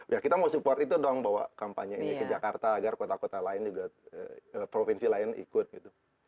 ya kita mau support itu dong bawa kampanye ini ke jakarta agar kota kota lain juga provinsi lain ikut gitu